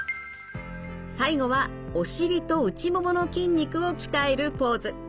最後はお尻と内ももの筋肉を鍛えるポーズ。